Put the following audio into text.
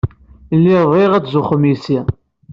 Lliɣ bɣiɣ ad tzuxxem yess-i.